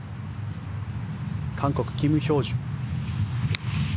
韓国、キム・ヒョージュ。